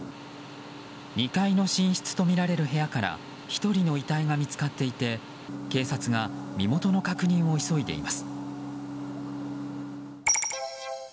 ２階の寝室とみられる部屋から１人の遺体が見つかっていて警察が身元の確認を急いでいます。